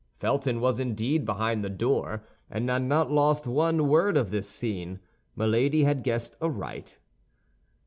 Felton was indeed behind the door, and had not lost one word of this scene. Milady had guessed aright.